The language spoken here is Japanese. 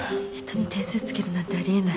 人に点数つけるなんてあり得ない。